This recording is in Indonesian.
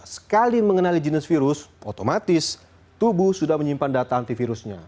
sekali mengenali jenis virus otomatis tubuh sudah menyimpan data antivirusnya